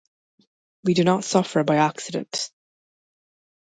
We do not suffer by accident.